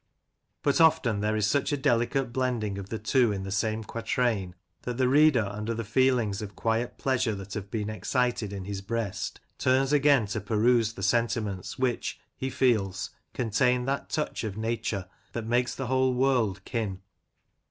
But often there is such a delicate blending of the two in the same quatrain, that the reader, under the feelings of quiet pleasure that have been excited in his breast, turns again to peruse the sentiments which, he feels, contain that touch of nature that makes the whole world kin.